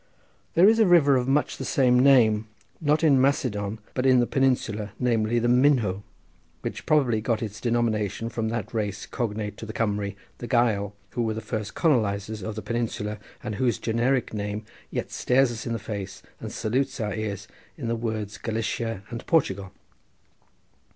There is a river of much the same name, not in Macedon, but in the Peninsula, namely the Minho, which probably got its denomination from that race cognate to the Cumry, the Gael, who were the first colonisers of the Peninsula, and whose generic name yet stares us in the face and salutes our ears in the words Galicia and Portugal.